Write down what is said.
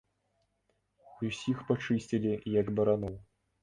Усіх пачысцілі, як бараноў.